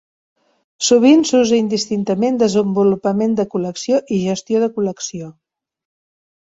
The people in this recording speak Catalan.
Sovint s'usa indistintament desenvolupament de col·lecció i gestió de col·lecció.